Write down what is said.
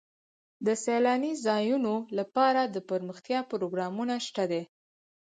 د سیلاني ځایونو لپاره دپرمختیا پروګرامونه شته دي.